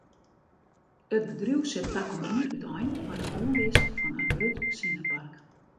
It bedriuw set takom jier útein mei de oanlis fan in grut sinnepark.